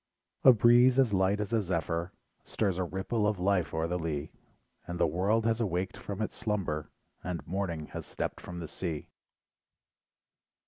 A breeze as light as a zephyr. Stirs a ripple of life o'er the lea, And the world has awaked from its slumber, And "Morning" has stepped from the sea.